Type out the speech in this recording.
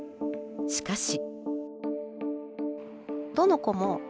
しかし。